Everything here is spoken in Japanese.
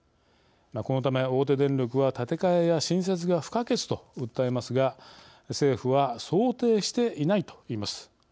このため、大手電力は建て替えや新設が不可欠と訴えますが政府は「想定していない」といいます。